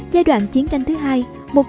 giai đoạn chiến tranh thứ hai